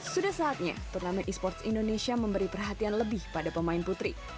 sudah saatnya turnamen e sports indonesia memberi perhatian lebih pada pemain putri